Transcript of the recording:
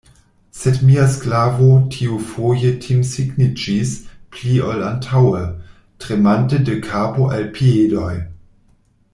Sed mia sklavo tiufoje timsigniĝis pli ol antaŭe, tremante de kapo al piedoj.